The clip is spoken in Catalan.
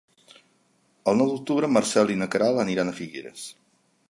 El nou d'octubre en Marcel i na Queralt aniran a Figueres.